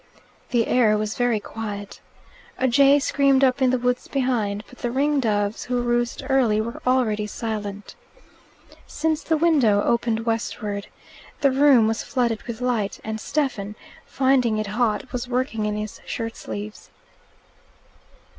The air was very quiet. A jay screamed up in the woods behind, but the ring doves, who roost early, were already silent. Since the window opened westward, the room was flooded with light, and Stephen, finding it hot, was working in his shirtsleeves.